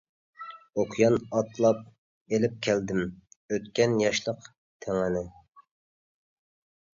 ئوكيان ئاتلاپ ئېلىپ كەلدىم، ئۆتكەن ياشلىق تېڭىنى.